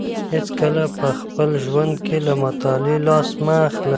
هېڅکله په خپل ژوند کي له مطالعې لاس مه اخلئ.